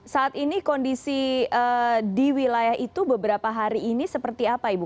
saat ini kondisi di wilayah itu beberapa hari ini seperti apa ibu